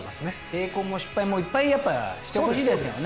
成功も失敗もいっぱいやっぱしてほしいですもんね。